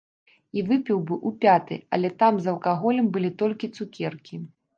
І выпіў бы ў пятай, але там з алкаголем былі толькі цукеркі.